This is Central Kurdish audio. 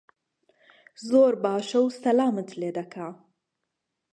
زۆر باشە و سەلامت لێ دەکا